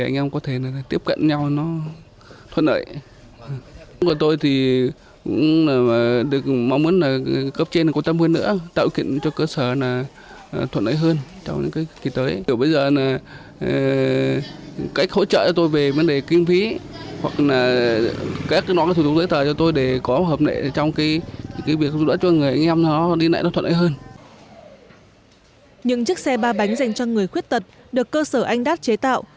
những chiếc xe ba bánh dành cho người khuyết tật được cơ sở anh đát chế tạo